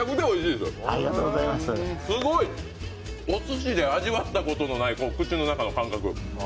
すごいおすしで味わったことのない口の中の感覚。